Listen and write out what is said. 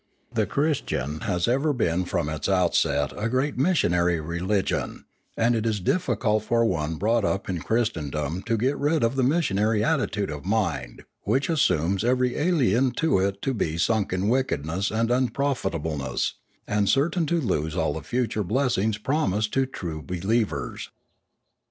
The Christian has ever been from its outset a great missionary religion, and it is difficult for one brought up in Christendom to get rid of the missionary attitude of mind which assumes every alien to it to be sunk in wickedness and unprofitableness, and certain to lose all the future blessings promised to true be lievers.